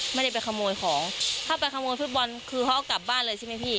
ไม่ได้ไปขโมยของถ้าไปขโมยฟุตบอลคือเขาเอากลับบ้านเลยใช่ไหมพี่